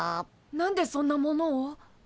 何でそんなものを？